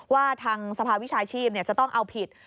ว่าทางสภาวิชาชีพจะต้องเอาผิด